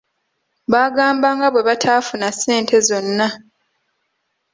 Baagamba nga bwe bataafuna ssente zonna.